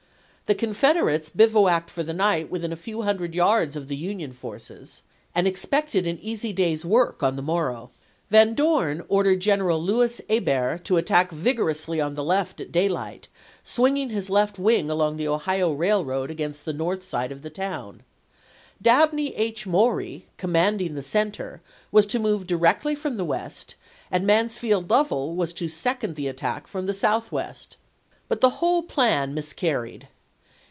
The Con federates bivouacked for the night within a few hundred yards of the Union forces, and expected an easy day's work on the morrow. Van Dorn ordered General Louis Hebert to attack vigorously on the left at daylight, swinging his left wing along the Ohio Railroad against the north side of the town. Dabney H. Maury, commanding the center, was to move directly from the west, and Mansfield Lovell was to second the attack from the south west. But the whole plan miscarried.